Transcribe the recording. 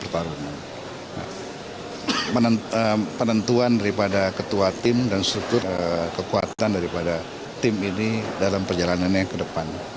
penentuan daripada ketua tim dan struktur kekuatan daripada tim ini dalam perjalanannya ke depan